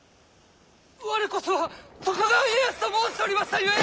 「我こそは徳川家康」と申しておりましたゆえ！